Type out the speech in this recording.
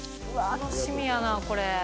楽しみやなこれ。